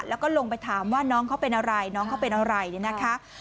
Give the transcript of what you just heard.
แล้วก็ลงไปถามว่าน้องเขาเป็นอะไรน้องเขาเป็นอะไรเนี่ยนะคะ